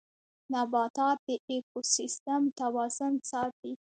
نباتات د ايکوسيستم توازن ساتي